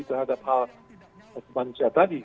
terhadap hal manusia tadi